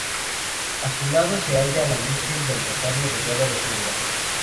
A su lado se halla la Virgen del Rosario rodeada de ofrendas.